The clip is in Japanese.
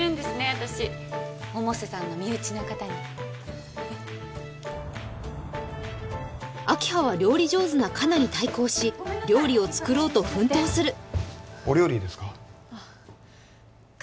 私百瀬さんの身内の方に明葉は料理上手な香菜に対抗し料理を作ろうと奮闘するお料理ですか？